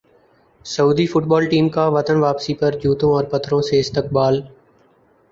سعودی football team کا وطن واپسی پر جوتوں اور پتھروں سے استقبال